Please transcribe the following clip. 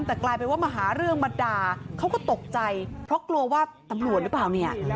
แต่กลายเป็นว่ามาหาเรื่องมาด่าเขาก็ตกใจเพราะกลัวว่าตำรวจหรือเปล่าเนี่ย